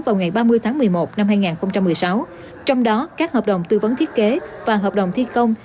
vào ngày ba mươi tháng một mươi một năm hai nghìn một mươi sáu trong đó các hợp đồng tư vấn thiết kế và hợp đồng thi công